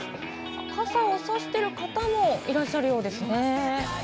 傘をさしてる方もいらっしゃるようですね。